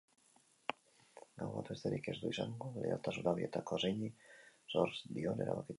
Gau bat besterik ez du izango leialtasuna bietako zeini zor dion erabakitzeko.